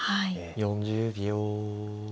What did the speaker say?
４０秒。